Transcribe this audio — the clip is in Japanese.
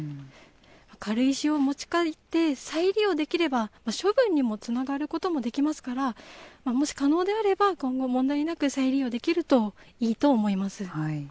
軽石を持ち帰って、再利用できれば処分にもつながることができますから、もし可能であれば、今後問題なく再利用できるといいと思います。